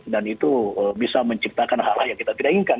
dan itu bisa menciptakan hal hal yang kita tidak inginkan